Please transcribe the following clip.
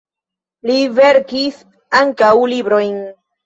Li verkis ankaŭ librojn.